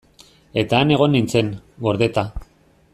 Eta han egon nintzen, gordeta.